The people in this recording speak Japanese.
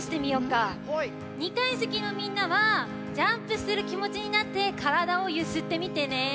２かいせきのみんなはジャンプするきもちになってからだをゆすってみてね。